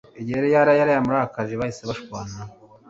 igihe yalla yaramurakaje bahise bashwana